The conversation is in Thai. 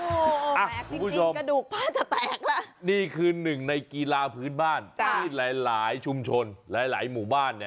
โอ้โฮแปลกจริงกระดูกนี่คือหนึ่งในกีฬาพื้นบ้านที่หลายชุมชนหลายหมู่บ้าน